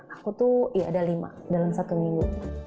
aku tuh ya ada lima dalam satu minggu